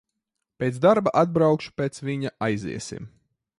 Pēc darba atbraukšu pēc viņa, aiziesim.